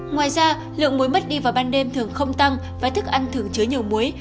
ngoài ra lượng muối mất đi vào ban đêm thường không tăng và thức ăn thường chứa nhiều muối